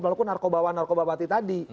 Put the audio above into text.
walaupun narkobawan narkobat mati tadi